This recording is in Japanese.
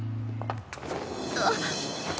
あっ！